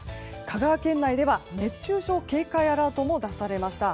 香川県内では熱中症警戒アラートも出されました。